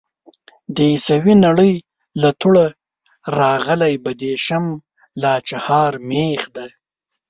د عيسوي نړۍ له توړه راغلی بدېشم لا چهارمېخ دی.